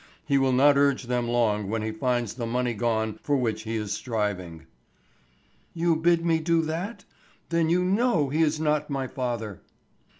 He will not urge them long when he finds the money gone for which he is striving." "You bid me do that? Then you know he is not my father."